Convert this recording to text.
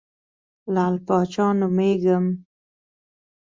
لعل پاچا نومېږم.